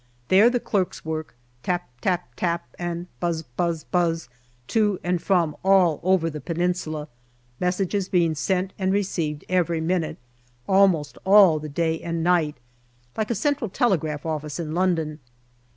There the clerks work, tap tap tap and buz buz buz to and from all over the Peninsula, messages being sent and received every minute, almost all the day and night, like a central telegraph office in London.